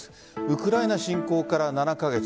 ウクライナ侵攻から７カ月。